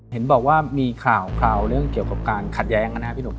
เห็นบอกว่ามีข่าวเรื่องเกี่ยวกับการขัดแย้งนะครับพี่หนุ่ม